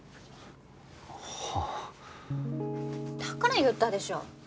だから言ったでしょ